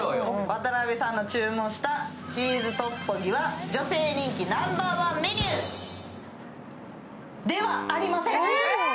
渡辺さんの注文したチーズトッポギ女性人気ナンバー１メニューではありません。